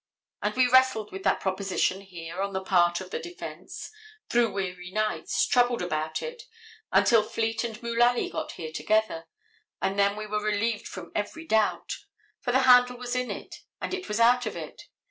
And we wrestled with that proposition here, on the part of the defense, through weary nights, troubled about it, until Fleet and Mullaly got here together, and then we were relieved from every doubt. For the handle is in it, and it is out of it.